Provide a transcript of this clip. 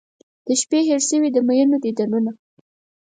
د شپې هیر شوي د میینو دیدنونه